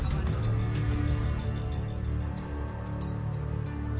kami ingin membuat kekuatan kami